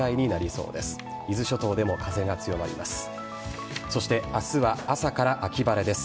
そして明日は朝から秋晴れです。